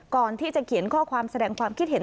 ก่อนที่จะเขียนข้อความแสดงความคิดเห็น